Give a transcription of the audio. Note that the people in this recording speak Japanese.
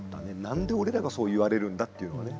何で俺らがそう言われるんだっていうのはね。